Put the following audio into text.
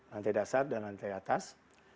lantai dasar dan lantai atas